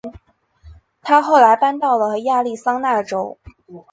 她后来搬到了亚利桑那州。